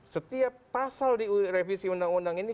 setiap pasal di revisi undang undang ini